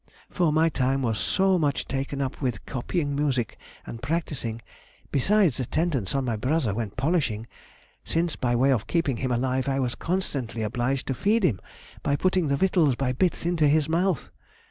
For my time was so much taken up with copying music and practising, besides attendance on my brother when polishing, since by way of keeping him alive I was constantly obliged to feed him by putting the victuals by bits into his mouth.